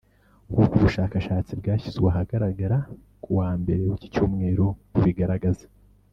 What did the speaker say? nk’uko ubushakashatsi bwashyizwe ahagaragara kuwa mbere w’icyi cyumweru bubigaragaza